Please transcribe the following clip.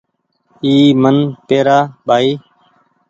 اي من پيرآ ٻآئي